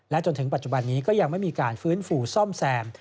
จนถึงปัจจุบันนี้ก็ยังไม่มีการฟื้นฟูซ่อมแซม